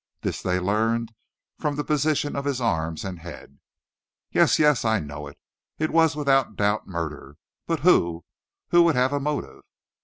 This they learned from the position of his arms and head." "Yes, yes; I know it. It was, without doubt, murder. But who who would have a motive?"